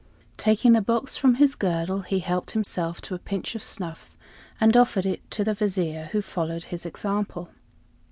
Taking the box from his girdle, he helped himself to a pinch of snuff and offered it to the Vizier, who followed his example.